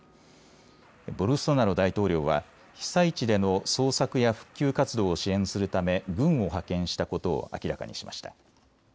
ボルソナロ大統領は被災地での捜索や復旧活動を支援するため軍を派遣したことを明らかにしました。